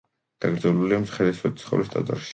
დაკრძალულია მცხეთის სვეტიცხოვლის ტაძარში.